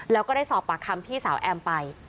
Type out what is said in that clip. แล้วก็ได้สอบปากคำพี่สาวแอมไป